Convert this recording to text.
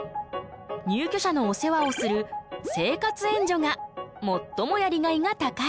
入居者のお世話をする生活援助がもっともやりがいが高い。